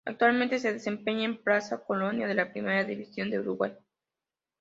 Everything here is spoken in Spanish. Actualmente se desempeña en Plaza Colonia de la Primera División de Uruguay.